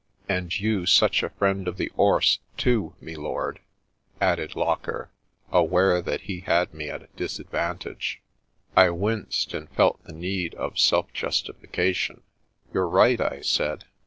"And you such a friend of the 'orse too, me lord," added Locker, aware that he had me at a dis advantage. 19 Mercedes to the Rescue 1 3 I winced, and felt the need of self justification. " You're right," I said.